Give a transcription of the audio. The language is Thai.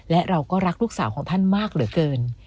และเราก็รักลูกสาวของท่านมากเหลือเกิน